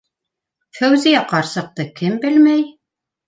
Фәүзиә ҡарсыҡты кем белмәй?